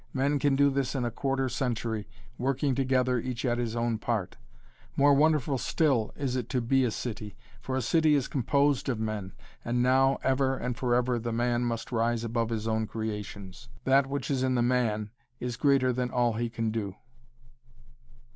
Men can do this in a quarter century, working together each at his own part. More wonderful still is it to be a city, for a city is composed of men, and now, ever and forever the man must rise above his own creations. That which is in the man is greater than all that he can do.